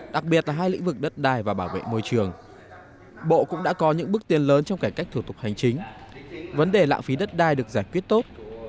đặc biệt là hai lĩnh vực đất đai và bảo vệ môi trường bộ cũng đã có những bước tiến lớn trong cải cách thủ tục hành chính vấn đề lãng phí đất đai được giải quyết tốt